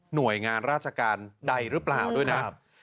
หน่วยงานราชการใดหรือเปล่าด้วยนะ